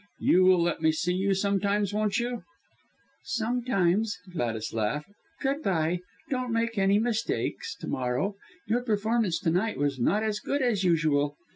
You will let me see you sometimes, won't you?" "Sometimes," Gladys laughed. "Good bye! Don't make any mistakes to morrow. Your performance to night was not as good as usual."